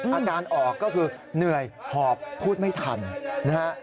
อาการออกก็คือเหนื่อยหอบพูดไม่ทันนะฮะ